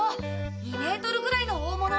２メートルぐらいの大物を。